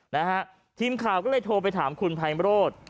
นะฮะทีมข่าวก็เลยโทรไปถามคุณภัยมโรธ